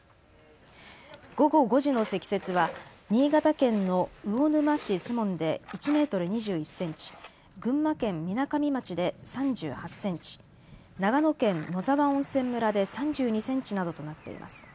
午後５時の積雪は新潟県の魚沼市守門で１メートル２１センチ、群馬県みなかみ町で３８センチ、長野県野沢温泉村で３２センチなどとなっています。